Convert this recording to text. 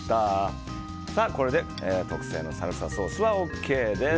これで特製サルサソースはＯＫです。